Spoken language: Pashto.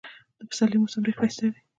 د پسرلي موسم ډېر ښایسته وي.